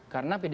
karena pdip itu